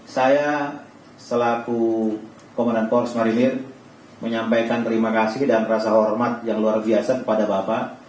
saya selaku komandan korps marinir menyampaikan terima kasih dan rasa hormat yang luar biasa kepada bapak